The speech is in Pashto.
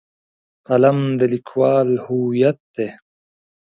قلم د لیکوال هویت دی.